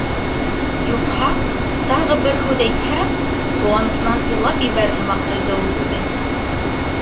Юҡһа, тағы бер һүҙ әйтһә, ҡыуанысынан илап ебәрер һымаҡ тойҙо ул үҙен.